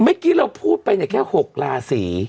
เมื่อกี้เราพูดไปเนี่ยแค่๖ราศี